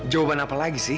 jawaban apa lagi sih